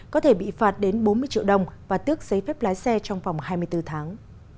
có thể bị phạt đến bốn mươi triệu đồng và tước giấy phép lái xe trong vòng hai mươi bốn tháng